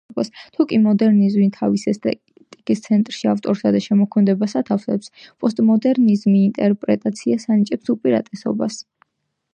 თუკი მოდერნიზმი თავისი ესთეტიკის ცენტრში ავტორსა და შემოქმედებას ათავსებს, პოსტმოდერნიზმი ინტერპრეტაციას ანიჭებს უპირატესობას.